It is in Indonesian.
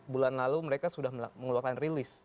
bulan lalu mereka sudah mengeluarkan rilis